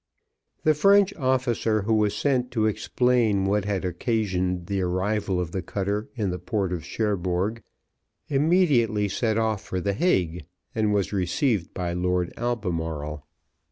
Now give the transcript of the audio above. The French officer who was sent to explain what had occasioned the arrival of the cutter in the port of Cherbourg, immediately set off for the Hague, and was received by Lord Albemarle.